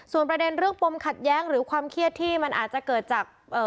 ส่วนประเด็นเรื่องปมขัดแย้งหรือความเครียดที่มันอาจจะเกิดจาก